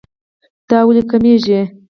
دا ولې کميږي